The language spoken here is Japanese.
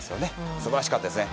素晴らしかったですね。